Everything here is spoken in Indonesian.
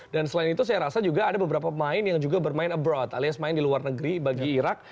dan selain itu saya rasa juga ada beberapa pemain yang juga bermain abroad alias main di luar negeri bagi irak